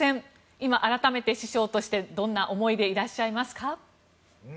今、改めて師匠としてどんな思いでいらっしゃいますか。